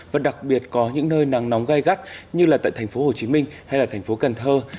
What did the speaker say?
và đặc biệt có những nơi nắng nóng gai gắt như là tại thành phố hồ chí minh hay là thành phố cần thơ